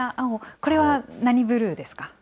これは何ブルーですか。